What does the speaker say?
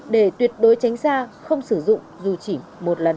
để tuyệt đối tránh xa không sử dụng dù chỉ một lần